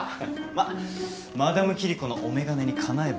まあマダムキリコのお眼鏡にかなえばの話だけどね。